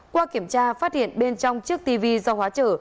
qua kiểm tra phát hiện bên trong chiếc tv do hóa chở